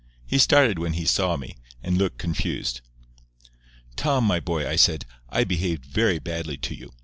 He started when he saw me, and looked confused. "Tom, my boy," I said, "I behaved very badly to you.